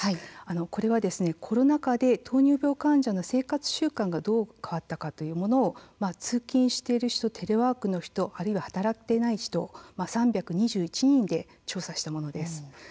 これはコロナ禍で糖尿病患者の生活習慣がどう変わったかというものを通勤している人、テレワークの人あるいは働いていない人３２１人を調査したものです。